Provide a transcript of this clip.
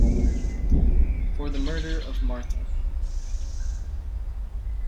For the murder of Marthe.